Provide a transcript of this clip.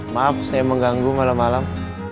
maaf saya mengganggu malam malam